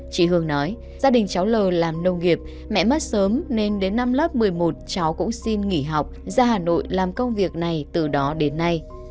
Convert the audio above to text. chị hương nói gia đình cháu l làm nông nghiệp mẹ mất sớm nên đến năm lớp một mươi một cháu cũng xin nghỉ học ra hà nội làm công việc này từ đó đến nay